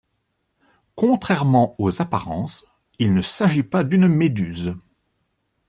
Contrairement aux apparences, il ne s'agit pas d'une méduse.